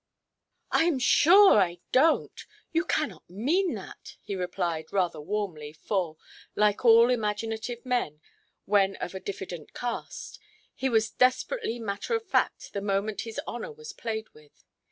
"I am sure I donʼt. You cannot mean that", he replied, rather warmly, for, like all imaginative men, when of a diffident cast, he was desperately matter–of–fact the moment his honour was played with.